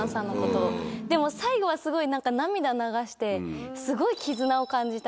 でも最後はすごい涙流してすごい。